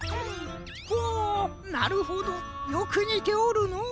ほなるほどよくにておるのう。